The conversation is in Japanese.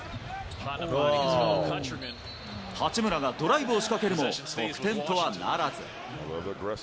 八村がドライブを仕掛けるも得点とはならず。